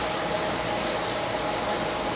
ต้องเติมเนี่ย